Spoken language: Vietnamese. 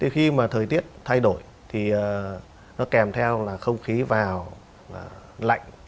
khi thời tiết thay đổi nó kèm theo không khí vào lạnh